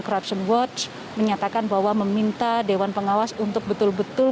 ketua kpk firly bahuri juga menyatakan bahwa meminta dewan pengawas untuk betul betul